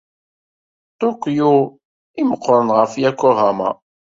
D Tokyo i imeqqren ɣef Yokohama.